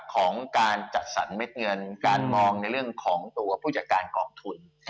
ของการจัดสรรเม็ดเงินการมองในเรื่องของตัวผู้จัดการกองทุน